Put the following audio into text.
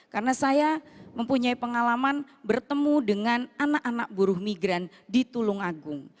karena saya mempunyai pengalaman bertemu dengan anak anak buruh migran di tulungagung